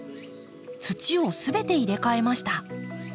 土をすべて入れ替えました。